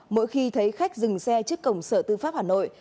mỗi khi thấy khách dừng xe trước cổng sở tư pháp hà nội